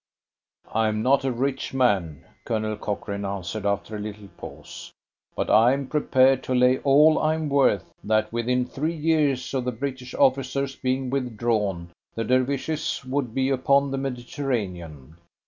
"I am not a rich man," Colonel Cochrane answered after a little pause, "but I am prepared to lay all I am worth, that within three years of the British officers being withdrawn, the Dervishes would be upon the Mediterranean.